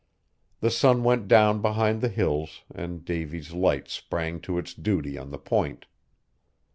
The sun went down behind the Hills and Davy's Light sprang to its duty on the Point.